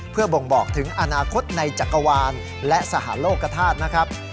เพื่อบ่งบอกถึงอนาคตในจักรวาลและสหโลกธาตุนะครับ